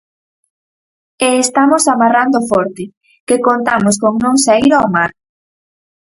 E estamos amarrando forte, que contamos con non saír ao mar.